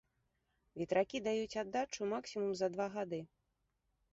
Ветракі даюць аддачу максімум за два гады.